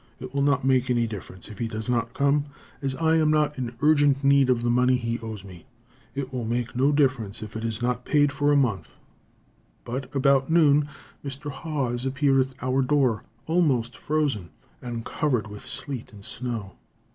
It will not make any difference if he does not come, as I am not in urgent need of the money he owes me. It will make no difference if it is not paid for a month." But about noon Mr. Haws appeared at our door, almost frozen, and covered with sleet and snow.